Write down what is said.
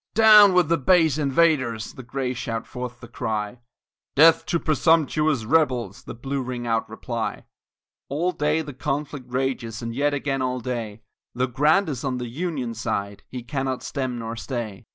"Down with the base invaders," the Gray shout forth the cry, "Death to presumptuous rebels," the Blue ring out reply; All day the conflict rages and yet again all day, Though Grant is on the Union side he cannot stem nor stay.